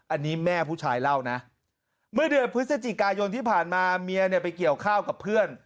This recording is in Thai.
อันนี้แม่ผู้ชายเล่านะเมื่อเดือนพฤศจิกายนที่ผ่านมาเมียเนี่ยไปเกี่ยวข้าวกับเพื่อน